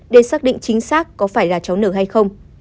để xác định chính xác có phải là cháu nư hay không